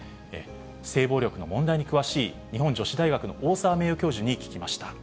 性暴力の問題に詳しい日本女子大学の大沢名誉教授に聞きました。